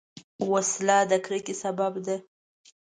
وسله د کرکې سبب ده